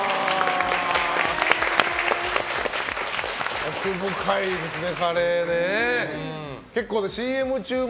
奥深いですね、カレーも。